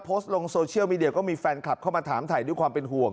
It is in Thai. โพสต์ลงโซเชียลมีเดียก็มีแฟนคลับเข้ามาถามถ่ายด้วยความเป็นห่วง